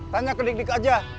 tanya ke dik dik aja